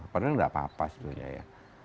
padahal nggak apa apa sebenarnya